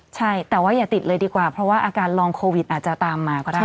ใช่แต่ว่าอย่าติดเลยดีกว่าเพราะว่าอาการลองโควิดอาจจะตามมาก็ได้